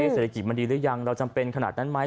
เศรษฐกิจมันดีหรือยังเราจำเป็นขนาดนั้นไหม